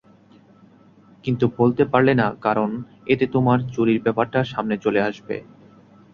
কিন্তু বলতে পারলে না কারণ এতে তোমার চুরির ব্যাপারটা সামনে চলে আসবে।